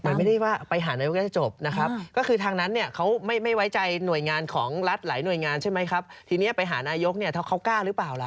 มันไม่ได้ว่าไปหานายกแล้วจะจบนะครับก็คือทางนั้นเนี่ยเขาไม่ไว้ใจหน่วยงานของรัฐหลายหน่วยงานใช่ไหมครับทีนี้ไปหานายกเนี่ยถ้าเขากล้าหรือเปล่าล่ะ